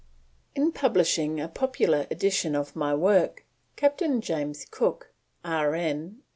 PREFACE. In publishing a popular edition of my work, Captain James Cook, R.N.